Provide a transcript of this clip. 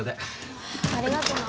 ああありがとな。